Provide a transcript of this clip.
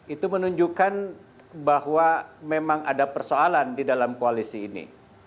itu menunjukkan bahwa memang ada persoalan di dalam koalisi ini